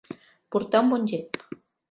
Portar un bon gep.